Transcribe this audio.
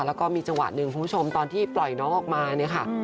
แล้วก็มีจังหวะหนึ่งคุณผู้ชมตอนที่ปล่อยน้องออกมาเนี่ยค่ะ